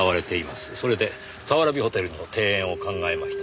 それで早蕨ホテルの庭園を考えました。